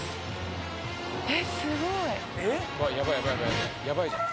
えっすごい。